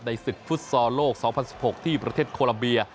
ศึกฟุตซอลโลก๒๐๑๖ที่ประเทศโคลัมเบีย